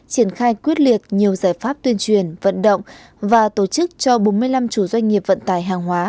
triển khai quyết liệt nhiều giải pháp tuyên truyền vận động và tổ chức cho bốn mươi năm chủ doanh nghiệp vận tải hàng hóa